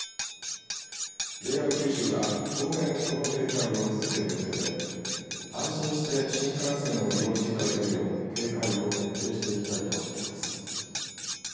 ＪＲ九州は、当面この警戒を続ける予定で安心して新幹線を利用していただけるよう、警戒を徹底していきたいとしています。